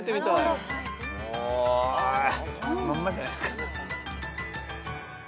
まんまじゃないっすか？